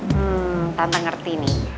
hmm tante ngerti ya